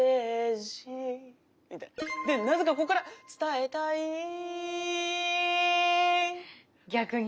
でなぜかここからつたえたい逆に。